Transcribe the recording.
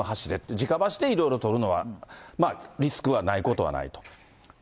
じか箸でいろいろ取るのは、リスクはないことはないと。